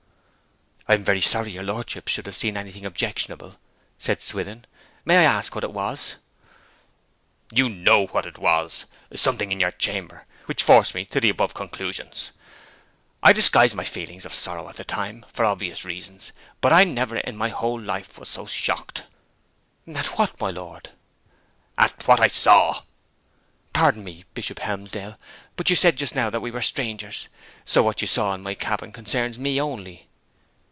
'I am very sorry your lordship should have seen anything objectionable,' said Swithin. 'May I ask what it was?' 'You know what it was. Something in your chamber, which forced me to the above conclusions. I disguised my feelings of sorrow at the time for obvious reasons, but I never in my whole life was so shocked!' 'At what, my lord?' 'At what I saw.' 'Pardon me, Bishop Helmsdale, but you said just now that we are strangers; so what you saw in my cabin concerns me only.'